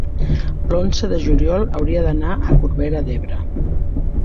l'onze de juliol hauria d'anar a Corbera d'Ebre.